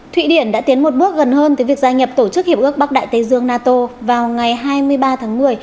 thụy điển đã tiến một bước gần hơn tới việc gia nhập tổ chức hiệp ước bắc đại tây dương nato vào ngày hai mươi ba tháng một mươi